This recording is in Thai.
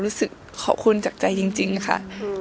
รู้สึกขอบคุณจากใจจริงค่ะ